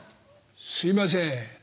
すいません